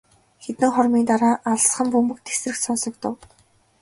Хэдэн хормын дараа алсхан бөмбөг тэсрэх сонсогдов.